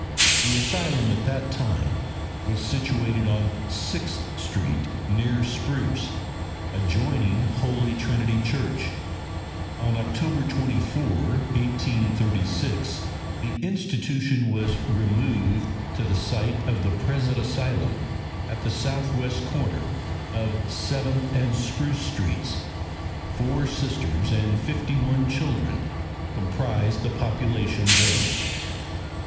The Asylum at that time was situated on Sixth street, near Spruce, adjoining Holy Trinity Church. On October 24, 1836, the institution was removed to the site of the present asylum at the southwest corner of Seventh and Spruce streets. Four Sisters and fifty one children comprised the population then.